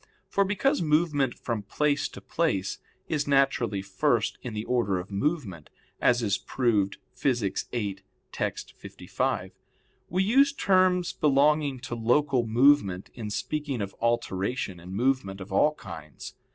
For because movement from place to place is naturally first in the order of movement as is proved Phys. viii, text. 55, we use terms belonging to local movement in speaking of alteration and movement of all kinds.